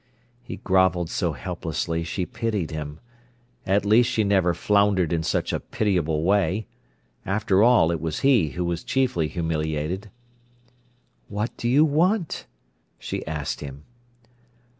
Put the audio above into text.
He grovelled so helplessly, she pitied him. At least she never floundered in such a pitiable way. After all, it was he who was chiefly humiliated. "What do you want?" she asked him.